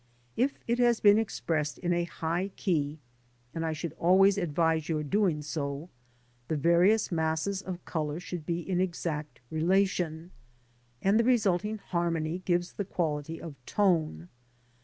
If it has been expressed in a high key (and I should always advise your doing so), the various masses of colour should be in exact relation, and the resulting harmony gives the quality of tone.